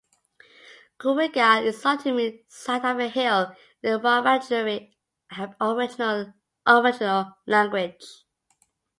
Kooringal is thought to mean "Side of a Hill" in the Wiradjuri aboriginal language.